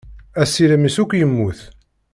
Asirem-is akk yemmut.